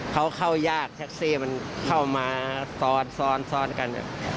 เขาเข้ายากแท็กซี่เข้ามาซอนกัน